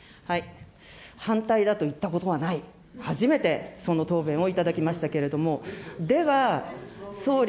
反対だと言ったことはない、初めてその答弁を頂きましたけれども、では、総理、